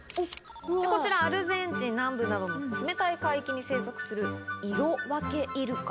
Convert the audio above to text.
こちら、アルゼンチン南部などの冷たい海域に生息する、イロワケイルカ。